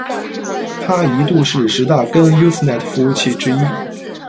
它一度是十大根 Usenet 服务器之一。